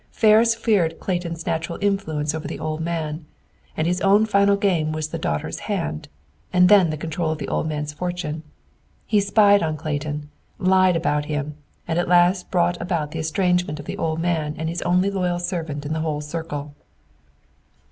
Ferris feared Clayton's natural influence over the old man, and his own final game was the daughter's hand, and then the control of the old man's fortune. He spied on Clayton, lied about him, and at last brought about the estrangement of the old man and his only loyal servant in the whole circle.